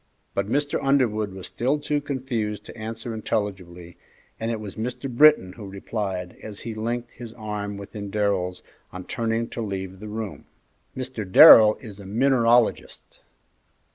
But Mr. Underwood was still too confused to answer intelligibly, and it was Mr. Britton who replied, as he linked his arm within Darrell's on turning to leave the room, "Mr. Darrell is a mineralogist."